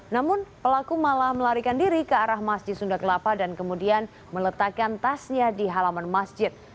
namun pelaku malah melarikan diri ke arah masjid sunda kelapa dan kemudian meletakkan tasnya di halaman masjid